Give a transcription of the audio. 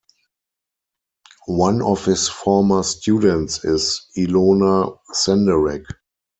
One of his former students is Ilona Senderek.